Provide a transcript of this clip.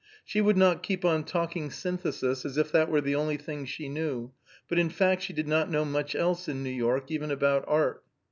She would not keep on talking Synthesis, as if that were the only thing she knew, but in fact she did not know much else in New York, even about art.